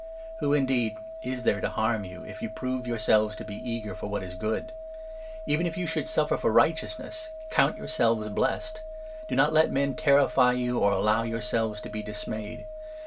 Who, indeed, is there to harm you, if you prove 13 Eafter*heT yourselves to be eager for what is good ? Even if 14 Example of you should suffer for righteousness, count your chnat. selves blessed !' Do not let men terrify you, or allow yourselves to be dismayed.'